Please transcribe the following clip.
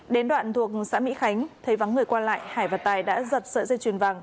đến đoạn thuộc xã mỹ khánh thấy vắng người qua lại hải và tài đã giật sợi dây chuyền vàng